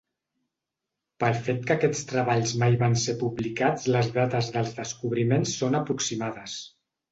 Pel fet que aquests treballs mai van ser publicats les dates dels descobriments són aproximades.